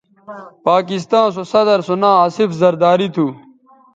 پاکستاں سو صدرسو ناں آصف زرداری تھو